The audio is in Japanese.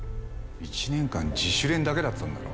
１年間自主練だけだったんだろ？